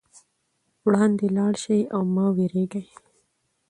وړاندې لاړ شئ او مه وېرېږئ.